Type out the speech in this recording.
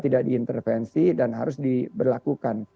dan harus diberlakukan